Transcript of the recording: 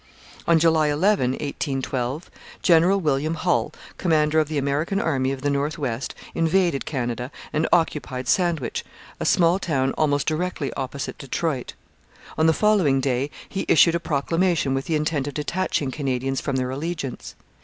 On July 11, 1812, General William Hull, commander of the American army of the north west, invaded Canada and occupied Sandwich, a small town almost directly opposite Detroit. On the following day he issued a proclamation with the intent of detaching Canadians from their allegiance.